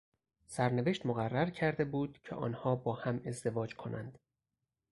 سرنوشت مقرر کرده بود که آنها با هم ازدواج کنند.